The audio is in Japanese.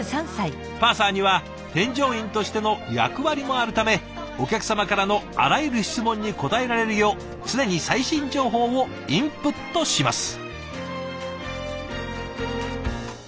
パーサーには添乗員としての役割もあるためお客様からのあらゆる質問に答えられるよう常に最新情報をインプットします。